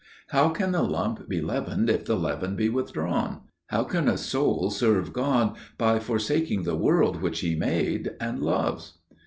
How can the lump be leavened if the leaven be withdrawn? How can a soul serve God by forsaking the world which He made and loves?"...